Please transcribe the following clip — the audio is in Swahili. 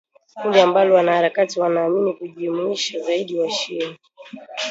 kundi ambalo wanaharakati wanaamini lilijumuisha zaidi washia